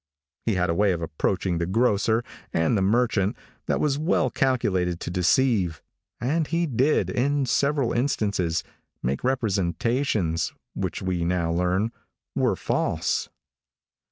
He had a way of approaching the grocer and the merchant that was well calculated to deceive, and he did, in several instances, make representations, which we now learn, were false.